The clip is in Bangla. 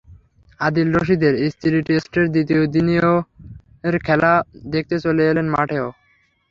আদিল রশিদের স্ত্রী টেস্টের দ্বিতীয় দিনের খেলা দেখতে চলে এলেন মাঠেও।